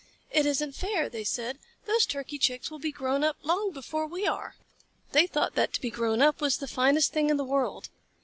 "It isn't fair," they said. "Those Turkey Chicks will be grown up long before we are!" They thought that to be grown up was the finest thing in the world.